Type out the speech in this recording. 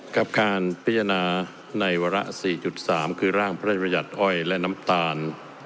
ครับขารณ์พิจารณาในวาระสี่จุดสามคือร่างพระธรรมยาติออยด์และน้ำตาล